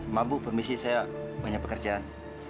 mabuk permisi saya banyak pekerjaan